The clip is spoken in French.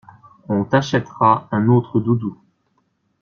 On t'achètera un autre doudou.